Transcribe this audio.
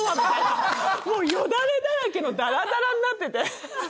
もうヨダレだらけのダラダラになってて。